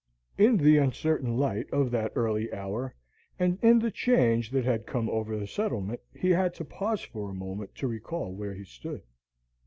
In the uncertain light of that early hour, and in the change that had come over the settlement, he had to pause for a moment to recall where he stood.